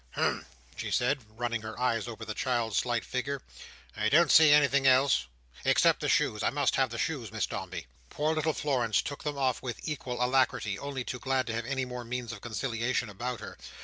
"Humph!" she said, running her eyes over the child's slight figure, "I don't see anything else—except the shoes. I must have the shoes, Miss Dombey." Poor little Florence took them off with equal alacrity, only too glad to have any more means of conciliation about her.